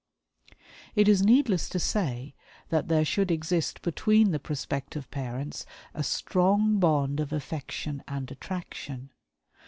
It is needless to say that there should exist between the prospective parents a strong bond of affection and attraction.